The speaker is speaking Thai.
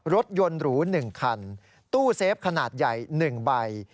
รถยนต์หรู๑คันตู้เซฟขนาดใหญ่๑ใบ